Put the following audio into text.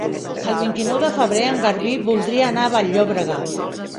El vint-i-nou de febrer en Garbí voldria anar a Vall-llobrega.